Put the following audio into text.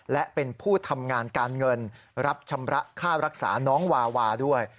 และเป็นผู้ทำงานการเงินรับชำระค่ารักษาน้องวาวาด้วย